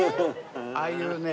ああいうね